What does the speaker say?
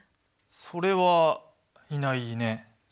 それはいないね。